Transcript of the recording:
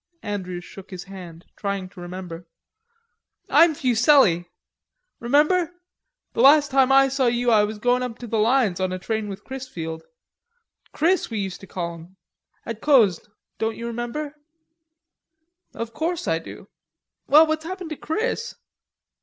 Andrews shook his hand, trying to remember. "I'm Fuselli.... Remember? Last time I saw you you was goin' up to the lines on a train with Chrisfield.... Chris we used to call him.... At Cosne, don't you remember?" "Of course I do." "Well, what's happened to Chris?"